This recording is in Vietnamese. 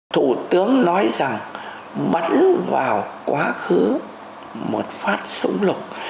thủ tướng nói rằng bắn vào quá khứ một phát súng lục